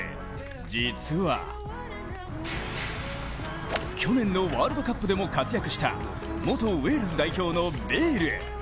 実は去年のワールドカップでも活躍した元ウェールズ代表のベイル。